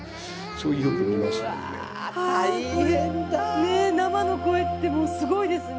ねえ生の声ってもうすごいですね。